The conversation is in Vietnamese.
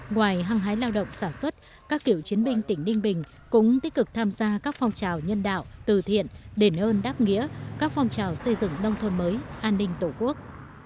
ngoài hăng hái lao động sản xuất các cựu chiến binh tỉnh đinh bình cũng tích cực tham gia các phong trào nhân đạo từ thiện đền ơn đáp nghĩa các phong trào xây dựng nông thôn mới an ninh tổ quốc